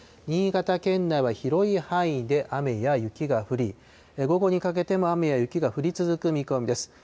新潟県内は広い範囲で雨や雪が降り、午後にかけても雨や雪が降り続く見込みです。